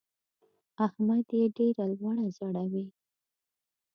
احمد يې ډېره لوړه ځړوي.